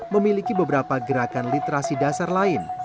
memiliki beberapa gerakan literasi dasar lain